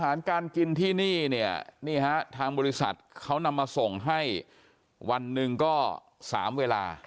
อาหารการกินที่นี่เนี่ยนี่ฮะทางบริษัทเขานำมาส่งให้วันหนึ่งก็๓เวลา